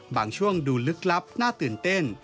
บางช่วงดูลึกลับน่าตื่นเต้น